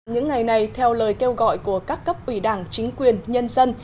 những ngày này theo lời kêu gọi của các cấp ủy đảng chính quyền nhân dân